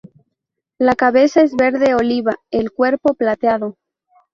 La cabeza es verde oliva, el cuerpo plateado.